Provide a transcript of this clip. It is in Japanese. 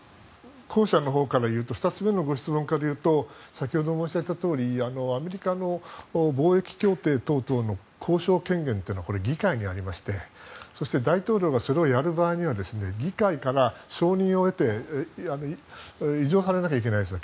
２つ目のご質問からいうと先ほど申し上げたとおりアメリカの貿易協定等々の交渉権限は議会にありましてそして大統領がそれをやる場合には議会から承認を得て権限を移譲されなきゃいけないんです。